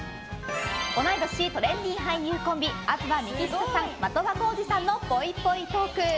同い年・トレンディー俳優コンビ東幹久さん、的場浩司さんのぽいぽいトーク。